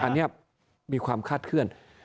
อันนี้มีความคาดเคลื่อน